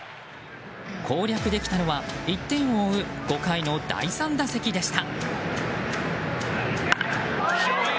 攻略できたのは１点を追う５回の第３打席でした。